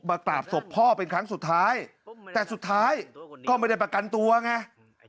กราบศพพ่อเป็นครั้งสุดท้ายแต่สุดท้ายก็ไม่ได้ประกันตัวไง